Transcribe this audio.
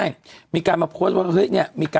เจเรงเจเรง